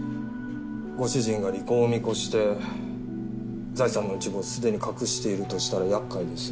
ご主人が離婚を見越して財産の一部をすでに隠しているとしたら厄介です。